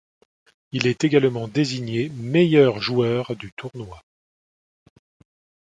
Il est également désigné meilleur joueur du tournoi.